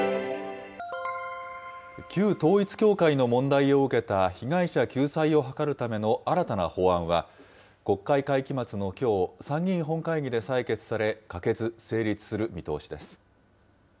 旧統一教会の問題を受けた被害者救済を図るための新たな法案は、国会会期末のきょう、参議院本会議で採決され、可決・成立する見通しです。